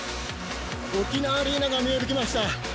沖縄アリーナが見えてきました。